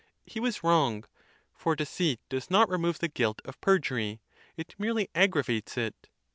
He was wrong; for deceit does not remove the guilt of perjury — it merely aggravates it.